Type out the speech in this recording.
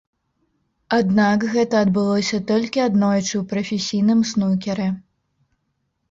Аднак, гэта адбылося толькі аднойчы ў прафесійным снукеры.